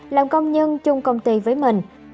làm công nhân chung công ty với mình